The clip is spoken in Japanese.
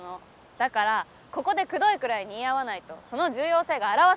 だからここでくどいくらいに言い合わないとその重要性が表せないの。